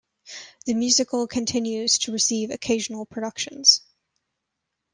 The musical continues to receive occasional productions.